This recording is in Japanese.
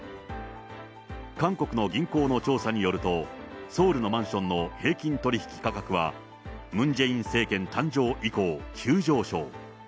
韓国の銀行の調査によると、ソウルのマンションの平均取り引き価格は、ムン・ジェイン政権誕生以降、急上昇。